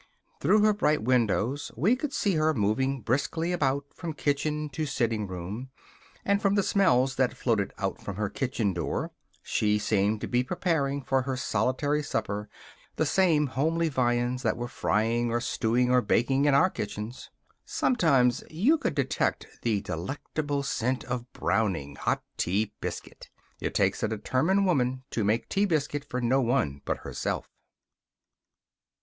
Through her bright windows we could see her moving briskly about from kitchen to sitting room; and from the smells that floated out from her kitchen door, she seemed to be preparing for her solitary supper the same homely viands that were frying or stewing or baking in our kitchens. Sometimes you could detect the delectable scent of browning, hot tea biscuit. It takes a determined woman to make tea biscuit for no one but herself.